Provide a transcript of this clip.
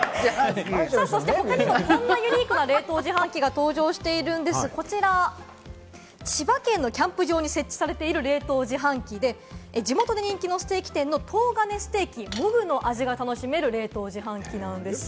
こんなユニークな冷凍自販機が登場しているんです、こちら、千葉県のキャンプ場に設置されている冷凍自販機で、地元で人気のステーキ店の東金ステーキＭＯＧの味が楽しめる冷凍自販機なんです。